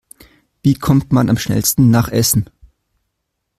Wie kommt man am schnellsten nach Essen?